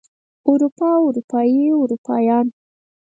اروپا اروپايي اروپايان